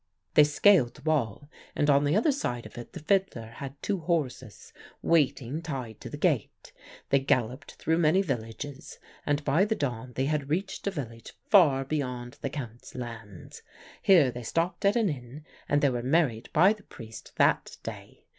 "They scaled the wall, and on the other side of it the fiddler had two horses, waiting tied to the gate. They galloped through many villages, and by the dawn they had reached a village far beyond the Count's lands. Here they stopped at an inn, and they were married by the priest that day.